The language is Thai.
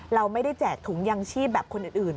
เราไม่ได้แจกถุงยังชีพแบบคนอื่น